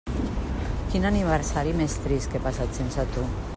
Quin aniversari més trist que he passat sense tu.